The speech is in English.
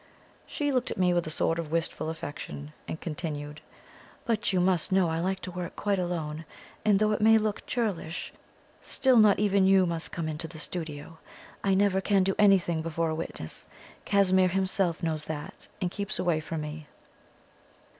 She looked at me with a sort of wistful affection, and continued: "But you must know I like to work quite alone, and though it may look churlish, still not even you must come into the studio. I never can do anything before a witness; Casimir himself knows that, and keeps away from me."